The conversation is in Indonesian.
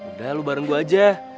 udah lu bareng gue aja